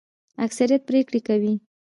اکثریت پریکړه کوي